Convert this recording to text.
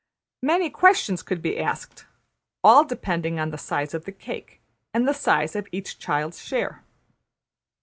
Many questions could be asked, all depending on the size of the cake and the size of each child's share.